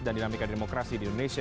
dan dinamika demokrasi di indonesia